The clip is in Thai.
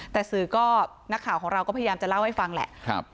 แต่สื่อก็นักข่าวของเราก็พยายามจะเล่าให้ฟังแหละ